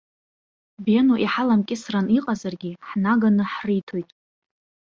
Бено иҳаламкьысран иҟазаргьы ҳнаганы ҳриҭоит.